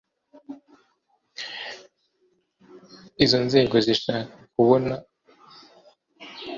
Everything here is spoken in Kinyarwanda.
Izo nzego zishaka kubona